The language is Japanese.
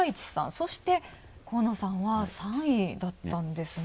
そして、河野さんは３位だったんですね。